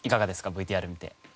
ＶＴＲ見て。